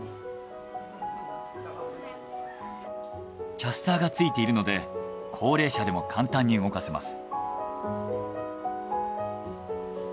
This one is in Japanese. キャスターが付いているので高齢者でも簡単に動かせます。